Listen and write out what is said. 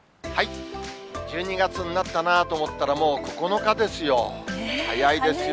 １２月になったなと思ったら、もう９日ですよ。